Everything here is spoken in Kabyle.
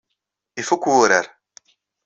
Ifuk wurar.